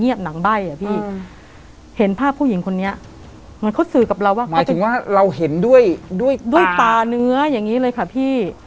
อย่างนี้เลยครับพี่